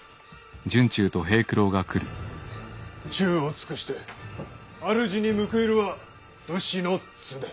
忠を尽くして主に報いるは武士の常。